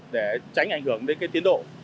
để tránh ảnh hưởng đến tiến độ